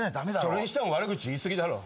それにしても悪口言い過ぎだろ。